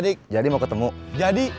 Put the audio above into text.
tidaktip dar donde figial